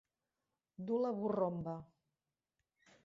Dur la borromba.